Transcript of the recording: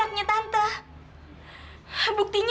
agung miten aku ini